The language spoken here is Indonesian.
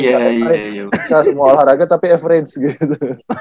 saya semua olahraga tapi average gitu